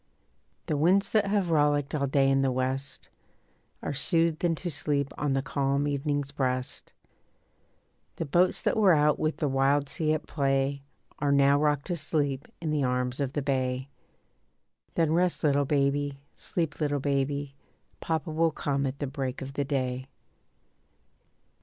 The winds that have rollicked all day in the west Are soothed into sleep on the calm evening's breast. The boats that were out with the wild sea at play Are now rocked to sleep in the arms of the bay. Then rest little baby, sleep little baby, Papa will come at the break of the day.